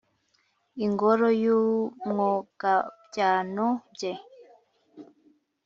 Ingoro y' Umwogabyano bye